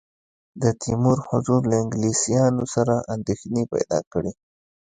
د تیمور حضور له انګلیسیانو سره اندېښنې پیدا کړې.